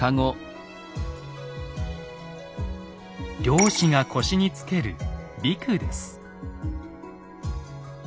漁師が腰につける魚籠です。